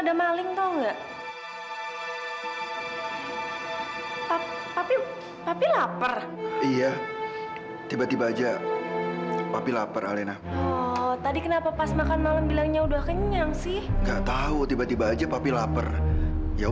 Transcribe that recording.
sampai jumpa di video selanjutnya